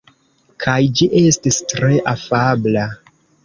Kaj ĝi estis tre afabla.